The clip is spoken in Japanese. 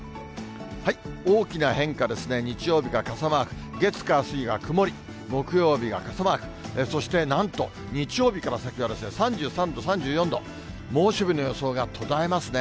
大きな変化ですね、日曜日から傘マーク、月、火、水が曇り、木曜日が傘マーク、そしてなんと、日曜日から先が３３度、３４度、猛暑日の予想が途絶えますね。